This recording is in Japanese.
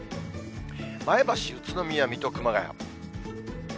前橋、宇都宮、水戸、熊谷。